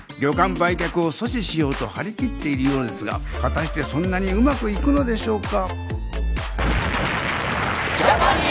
売却を阻止しようと張り切っているようですが果たしてそんなにうまくいくのでしょうか？